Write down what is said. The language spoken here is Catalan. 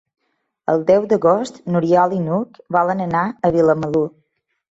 El deu d'agost n'Oriol i n'Hug volen anar a Vilamalur.